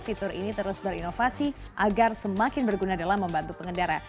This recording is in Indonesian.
fitur ini terus berinovasi agar semakin berguna dalam membantu pengendara